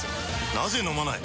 なぜ飲まない？